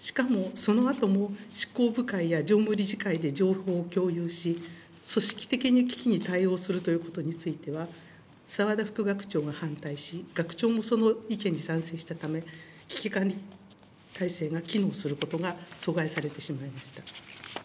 しかもそのあとも執行部会や常務理事会で情報を共有し、組織的に危機に対応するということについては、澤田副学長が反対し、学長もその意見に賛成したため、危機管理体制が機能することが阻害されてしまいました。